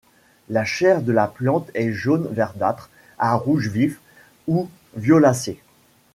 La chair de la plante est jaune verdâtre à rouge vif ou violacée.